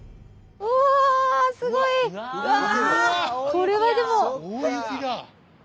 これはでも。